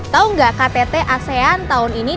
tau gak ktt asean tahun ini